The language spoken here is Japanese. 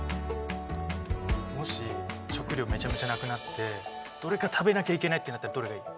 もし食糧めちゃめちゃなくなってどれか食べなきゃいけないってなったらどれがいい？